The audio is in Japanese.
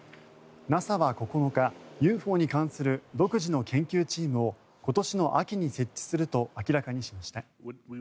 ＮＡＳＡは９日ＵＦＯに関する独自の研究チームを今年の秋に設置すると明らかにしました。